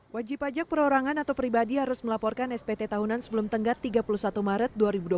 wajib pajak perorangan atau pribadi harus melaporkan spt tahunan sebelum tenggat tiga puluh satu maret dua ribu dua puluh